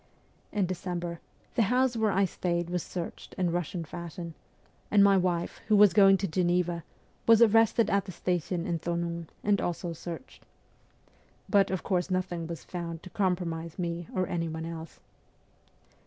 In December, the house where I stayed was searched in Eussian fashion, and my wife, who was going to Geneva, was arrested at the station in Thonon, and also searched. But of course nothing was found to compromise me or anyone else.